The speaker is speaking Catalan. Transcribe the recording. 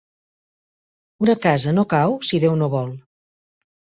Una casa no cau si Déu no ho vol.